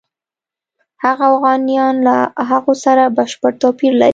هغه اوغانیان له هغو سره بشپړ توپیر لري.